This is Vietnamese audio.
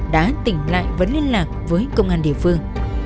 đã tỉnh lại vấn liên lạc với công an địa phương